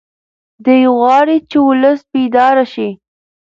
دی غواړي چې ولس بیدار شي.